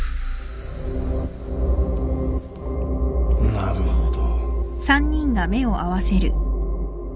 なるほど。